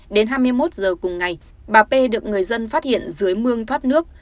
đến hai mươi một giờ cùng ngày bà p được người dân phát hiện dưới mương thoát nước